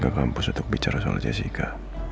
ke kampus untuk bicara soal jessica